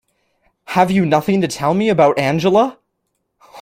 Have you nothing to tell me about Angela?